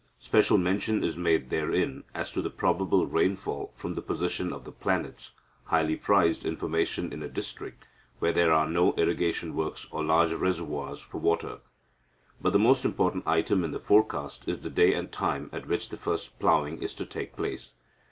Special mention is made therein as to the probable rainfall from the position of the planets highly prized information in a district where there are no irrigation works or large reservoirs for water. But the most important item in the forecast is the day and time at which the first ploughing is to take place.